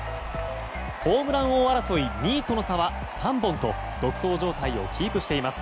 ホームラン王争い２位との差は３本と独走状態をキープしています。